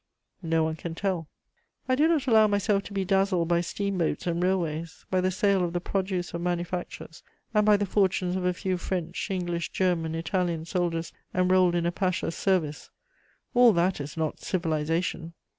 No one can tell. I do not allow myself to be dazzled by steam boats and railways, by the sale of the produce of manufactures, and by the fortunes of a few French, English, German, Italian soldiers enrolled in a pasha's service: all that is not civilization.